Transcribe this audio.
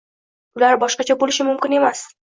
Ular boshqacha bo'lishi mumkin emas